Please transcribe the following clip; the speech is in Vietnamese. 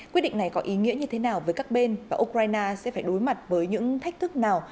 quyết định này có ý nghĩa như thế nào với các bên và ukraine sẽ phải đối mặt với những thách thức nào